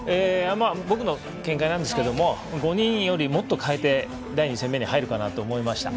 僕の見解なんですけども５人より、もっと代えて攻めに入るかなと思いました。